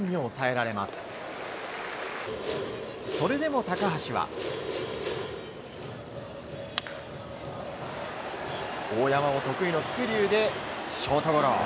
それでも高橋は、大山を得意のスクリューでショートゴロ。